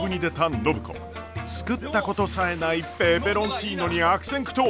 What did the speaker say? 作ったことさえないペペロンチーノに悪戦苦闘！